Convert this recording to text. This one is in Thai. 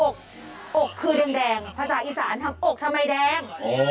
อกคือแดงภาษาอีสานทำอกทำไมแดง